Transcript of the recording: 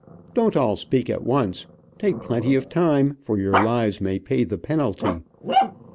Don't all speak at once. Take plenty of time, for your lives may pay the penalty!"